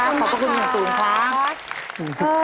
ขอบคุณมากค่ะขอบคุณหัวศูนย์ค่ะ